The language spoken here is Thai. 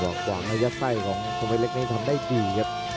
หวังหวังระยะใส่ของพวกไอ้เล็กนี้ทำได้ดีครับ